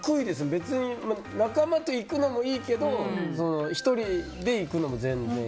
別に仲間と行くのもいいけど１人で行くのも全然。